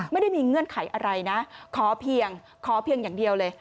ไม่ได้มีเงื่อนไขอะไรนะขอเพียงขอเพียงอย่างเดียวเลย